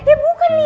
ya bukan liat nih